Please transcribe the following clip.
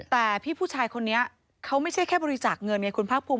แต่พี่ผู้ชายคนนี้เขาไม่ใช่แค่บริจาคเงินไงคุณภาคภูมิ